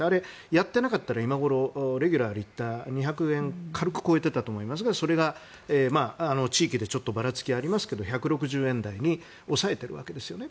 やっていなかったら今ごろ、レギュラーリッター２００円を軽く超えていたと思いますがそれが地域でちょっとばらつきはありますが１６０円台に抑えていますよね。